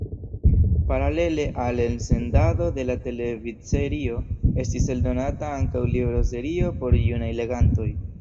Paralele al elsendado de la televidserio estis eldonata ankaŭ libroserio por junaj legantoj.